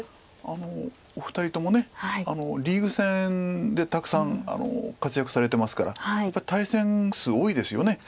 お二人ともリーグ戦でたくさん活躍されてますからやっぱり対戦数多いですよね。